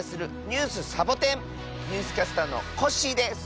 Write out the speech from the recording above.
ニュースキャスターのコッシーです。